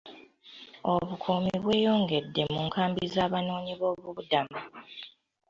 Obukuumi bweyongedde mu nkambi z'Abanoonyiboobubudamu.